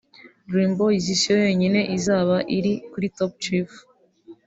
Dream boys si yo yonyine izaba iri kuri Top Cheif